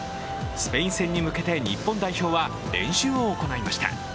スペイン戦に向けて日本代表は練習を行いました。